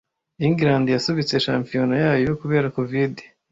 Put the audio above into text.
England yasubitse shampiona yayo kubera COVID